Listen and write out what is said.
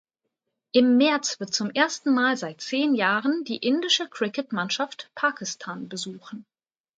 Im März wird zum ersten Mal seit zehn Jahren die indische Cricket-Mannschaft Pakistan besuchen.